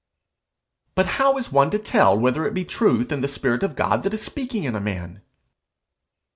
'But how is one to tell whether it be in truth the spirit of God that is speaking in a man?'